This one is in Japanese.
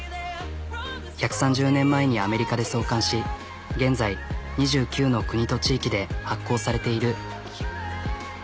１３０年前にアメリカで創刊し現在２９の国と地域で発行されている。